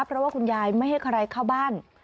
เพราะว่าคุณยายไม่ให้ใครเข้าบ้าน